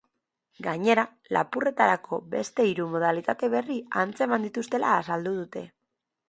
Gainera, lapurretarako beste hiru modalitate berri atzeman dituztela azaldu dute.